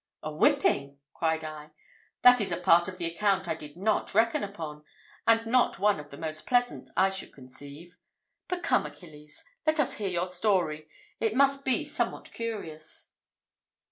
"A whipping!" cried I; "that is a part of the account I did not reckon upon, and not one of the most pleasant, I should conceive. But come, Achilles, let us hear your story. It must be somewhat curious."